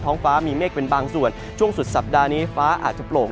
ฟ้ามีเมฆเป็นบางส่วนช่วงสุดสัปดาห์นี้ฟ้าอาจจะโปร่ง